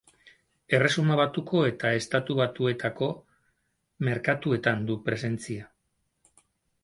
Erresuma Batuko eta Estatu Batuetako merkatuetan du presentzia.